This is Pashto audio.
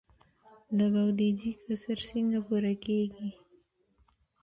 د بودیجې کسر څنګه پوره کیږي؟